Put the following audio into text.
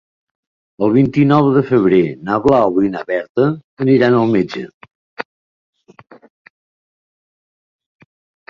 El vint-i-nou de febrer na Blau i na Berta aniran al metge.